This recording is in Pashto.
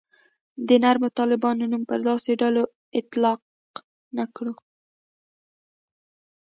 د نرمو طالبانو نوم پر داسې ډلو اطلاق نه کړو.